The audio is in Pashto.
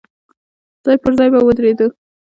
ځای پر ځای به ودرېدو.